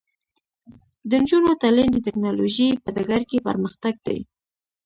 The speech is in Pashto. د نجونو تعلیم د ټیکنالوژۍ په ډګر کې پرمختګ دی.